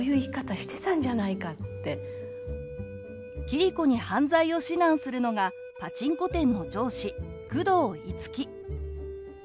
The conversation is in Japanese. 桐子に犯罪を指南するのがパチンコ店の上司久遠樹。